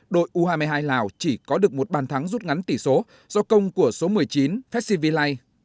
đội u hai mươi hai lào chỉ có được một bản thắng rút ngắn tỷ số do công của số một mươi chín pescivillai